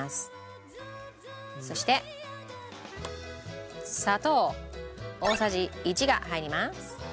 そして砂糖大さじ１が入ります。